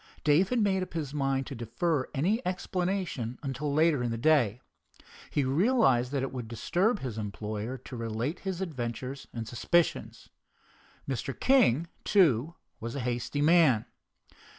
Dave had made up his mind to defer any explanation until later in the day. He realized that it would disturb his employer to relate his adventures and suspicions. Mr. King, too, was a hasty man.